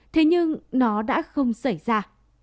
thế nhưng nó đã không xảy ra